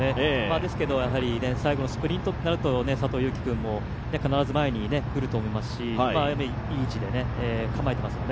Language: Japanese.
ですけどやはり最後のスプリントとなると佐藤悠基君も必ず前に来ると思いますし、いい位置で構えていますよね。